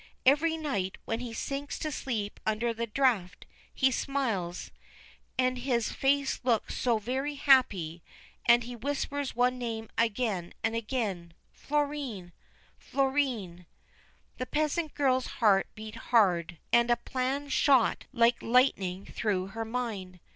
Every night, when he sinks to sleep under the draught, he smiles, and his 91 THE BLUE BIRD face looks so very happy, and he whispers one name again and again: "Florinel Florine I " The peasant girl's heart beat hard, and a plan shot like lightning through her mind.